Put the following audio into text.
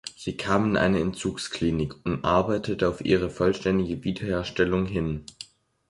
Sie kam in eine Entzugsklinik und arbeitete auf ihre vollständige Wiederherstellung hin.